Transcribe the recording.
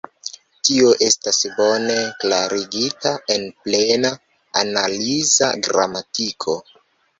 Tio estas bone klarigita en Plena Analiza Gramatiko.